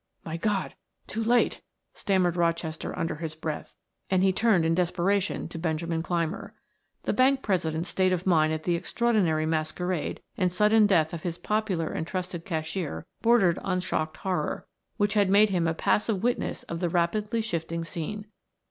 "My God! Too late!" stammered Rochester under his breath, and he turned in desperation to Benjamin Clymer. The bank president's state of mind at the extraordinary masquerade and sudden death of his popular and trusted cashier bordered on shocked horror, which had made him a passive witness of the rapidly shifting scene.